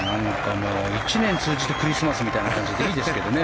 １年通じてクリスマスみたいな感じでいいですけどね。